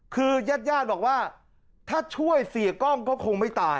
คือญาติญาติบอกว่าถ้าช่วยเสียกล้องก็คงไม่ตาย